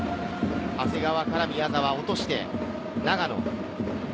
長谷川から宮澤へ落として長野。